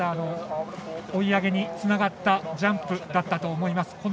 追い上げにつながったジャンプだったと思います。